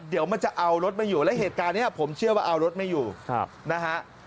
เดี๋ยวมันจะเอารถมาอยู่แล้วเหตุการณ์นี้ผมเชื่อว่าเอารถไม่อยู่นะฮะ